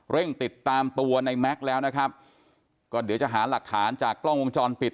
ติดตามตัวในแม็กซ์แล้วนะครับก็เดี๋ยวจะหาหลักฐานจากกล้องวงจรปิด